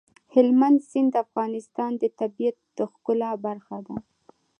هلمند سیند د افغانستان د طبیعت د ښکلا برخه ده.